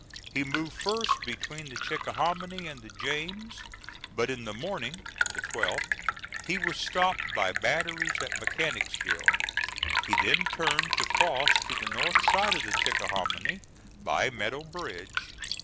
He moved first between the Chickahominy and the James, but in the morning (the 12th) he was stopped by batteries at Mechanicsville. He then turned to cross to the north side of the Chickahominy by Meadow Bridge.